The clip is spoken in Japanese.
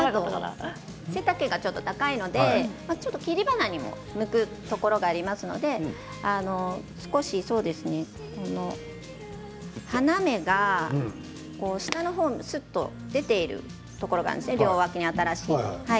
背丈がちょっと高いので切り花にも向くと思いますので花芽が下の方にすっと出ているところが両脇に新しいものが。